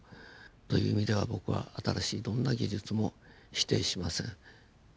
という意味では僕は新しいどんな技術も否定しません。